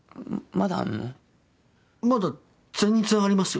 まだ全然ありますよ。